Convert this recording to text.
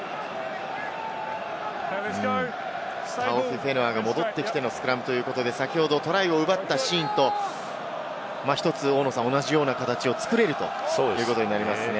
タオフィフェヌアが戻ってきてのスクラムということで先ほどトライを奪ったシーンと１つ同じような形を作れるということになりますね。